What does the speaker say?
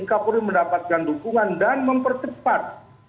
kak polri mendapatkan dukungan dan mempercepat